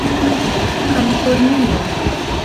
kalifornio